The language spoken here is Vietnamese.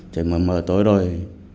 thấy mở mở tối rồi